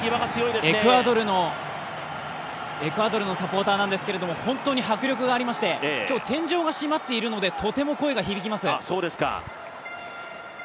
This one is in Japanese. エクアドルのサポーターなんですけれども本当に迫力がありまして、今日、天井が閉まっているのでとても声が響きます。